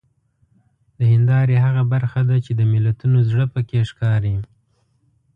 د هیندارې هغه برخه ده چې د ملتونو زړه پکې ښکاري.